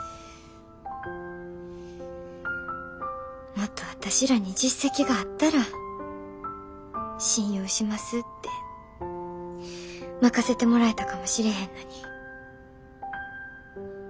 もっと私らに実績があったら信用しますって任せてもらえたかもしれへんのに。